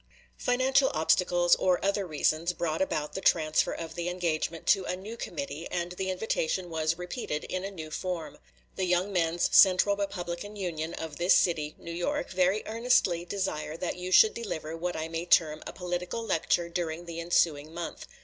Financial obstacles, or other reasons, brought about the transfer of the engagement to a new committee, and the invitation was repeated in a new form: "The Young Men's Central Republican Union of this city [New York] very earnestly desire that you should deliver what I may term a political lecture during the ensuing month.